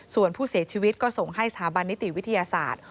ส่วนผู้เสียชีวิตก็ส่งให้สถาบันนิติวิทยาศาสตร์